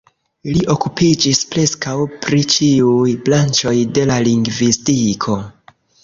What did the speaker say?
Li okupiĝis preskaŭ pri ĉiuj branĉoj de la lingvistiko.